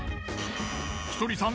ひとりさん